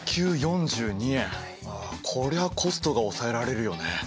ああこりゃコストが抑えられるよね。